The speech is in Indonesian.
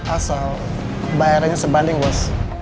asal bayarannya sebanding bos